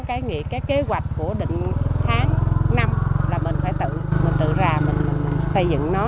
cái nghị cái kế hoạch của định tháng năm là mình phải tự ra mình xây dựng nó